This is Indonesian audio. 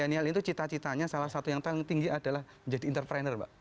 milenial itu cita citanya salah satu yang paling tinggi adalah menjadi entrepreneur mbak